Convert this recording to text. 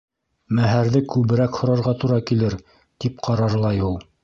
Мәһәрҙе күберәк һорарға тура килер, тип ҡарарлай ул.